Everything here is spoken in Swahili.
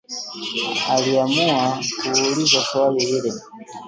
Aliamua kuuliza swali lile